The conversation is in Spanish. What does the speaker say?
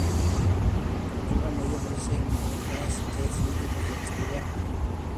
En color amarillo aparece el gas que fluye desde la estrella a gran velocidad.